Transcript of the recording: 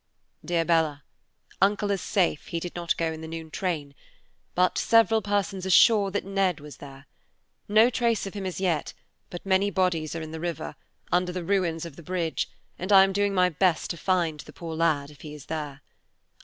Dear Bella: Uncle is safe; he did not go in the noon train. But several persons are sure that Ned was there. No trace of him as yet, but many bodies are in the river, under the ruins of the bridge, and I am doing my best to find the poor lad, if he is there.